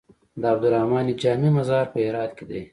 د عبدالرحمن جامي مزار په هرات کی دی